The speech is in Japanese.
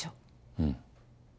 うん。